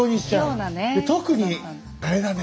で特にあれだね